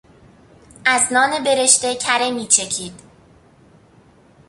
از نان برشته کره میچکید.